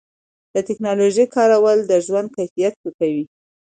د ټکنالوژۍ کارول د ژوند کیفیت ښه کوي.